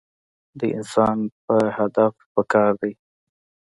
د انسان پۀ هدف پکار دے -